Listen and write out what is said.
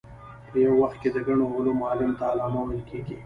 په یو وخت کې د ګڼو علومو عالم ته علامه ویل کېږي.